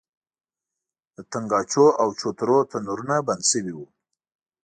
د تنګاچو او چوترو تنورونه بند شوي وو.